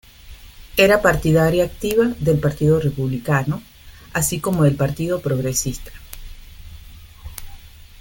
Era partidaria activa del Partido Republicano, así como del Partido Progresista.